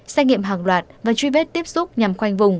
xét nghiệm hàng loạt và truy vết tiếp xúc nhằm khoanh vùng